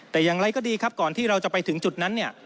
แต่อย่างไรก็ดีครับก่อนที่เราจะไปถึงจุดนั้นเนี่ย